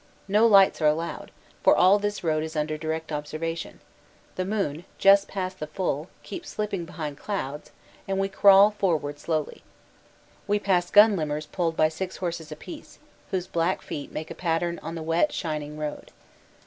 No lights are allowed, for all this road is 120 CANADA S HUNDRED DAYS under direct observation; the moon, just past the full, keeps slipping behind clouds, and we crawl forward slowly. We pass gun limbers pulled by six horses apiece, whose black feet make a pattern on the wet shining road.